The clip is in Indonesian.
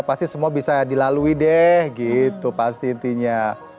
pasti semua bisa dilalui deh gitu pasti intinya